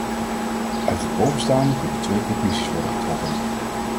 Uit het bovenstaande kunnen twee conclusies worden getrokken.